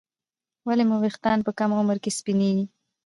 ولې مو ویښتان په کم عمر کې سپینېږي